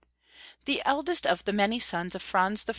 T^HE eldest of the many sons of Franz I.